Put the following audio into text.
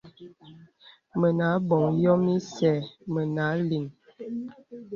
Mə̀ abɔ̀ŋ yɔ̀m ìsɛ̂ mə a lìŋ.